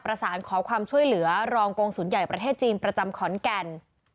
ประสานขอความช่วยเหลือรองโกงศูนย์ใหญ่ประเทศจีนประจำขอนแก่น